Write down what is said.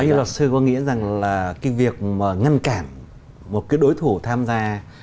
như luật sư có nghĩa rằng là cái việc mà ngăn cản một cái đối thủ tham gia